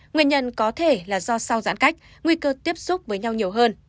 nguyên nhân có thể là do sau giãn cách nguy cơ tiếp xúc với nhau nhiều hơn